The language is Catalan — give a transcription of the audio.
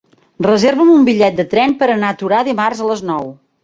Reserva'm un bitllet de tren per anar a Torà dimarts a les nou.